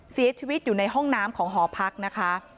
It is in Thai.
เสียชีวิตอยู่ในห้องน้ำของหอพักนะคะ